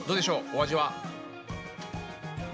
お味は。